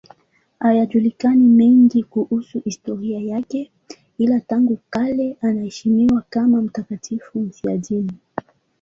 Hayajulikani mengine kuhusu historia yake, ila tangu kale anaheshimiwa kama mtakatifu mfiadini.